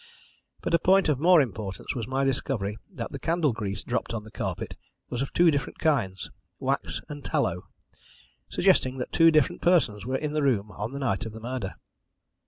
But a point of more importance was my discovery that the candle grease dropped on the carpet was of two different kinds wax and tallow suggesting that two different persons were in the room on the night of the murder.